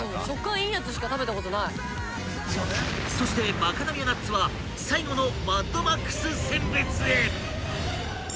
［そしてマカダミアナッツは最後のマッドマックス選別へ］